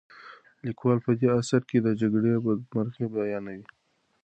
لیکوال په دې اثر کې د جګړې بدمرغۍ بیانوي.